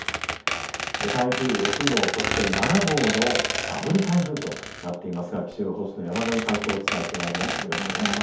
台風６号、そして７号のダブル台風となっていますが、気象予報士の山神さんとお伝えしてまいります。